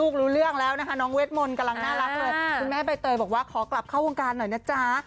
เข้าวงการหน่อยนะจ๊ะ